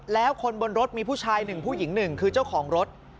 แล้วคนบนรถมีผู้ชายหนึ่งผู้หญิงหนึ่งคือเจ้าของรถ